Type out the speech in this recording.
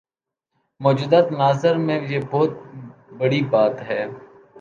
موجودہ تناظر میں یہ بہت بڑی بات ہے۔